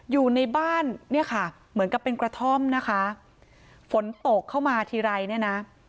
อยู่ในบ้านเนี่ยค่ะเหมือนกับเป็นกระท่อมนะคะฝนตกเข้ามาทีไรเนี่ยนะ